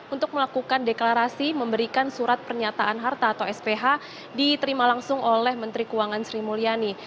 untuk melakukan deklarasi memberikan surat pernyataan harta atau sph diterima langsung oleh menteri keuangan sri mulyani